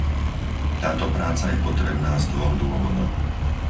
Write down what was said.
Táto práca je potrebná z dvoch dôvodov.